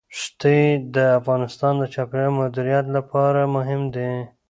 ښتې د افغانستان د چاپیریال د مدیریت لپاره مهم دي.